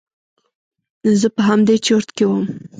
زه په همدې چورت کښې وم.